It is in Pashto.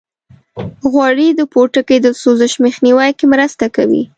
غوړې د پوټکي د سوزش مخنیوي کې مرسته کوي.